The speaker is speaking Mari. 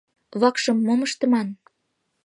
Вакшым мом ыштыман?